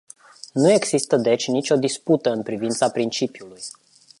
Nu există deci nicio dispută în privința principiului.